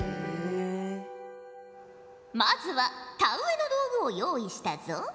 まずは田植えの道具を用意したぞ。